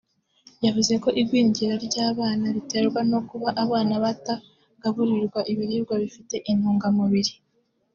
yavuze ko igwingira ry’abana riterwa no kuba abana batagaburiwe ibiribwa bifite intungamubiri